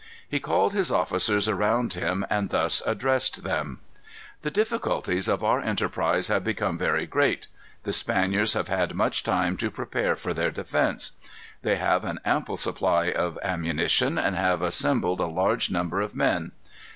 He called his officers around him, and thus addressed them: "The difficulties of our enterprise have become very great. The Spaniards have had much time to prepare for their defence. They have an ample supply of ammunition, and have assembled a large number of men.